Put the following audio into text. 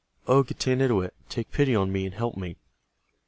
O Getanittowit, take pity on me and help me."